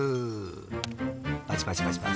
パチパチパチパチ！